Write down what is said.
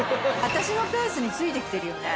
私のペースについて来てるよね。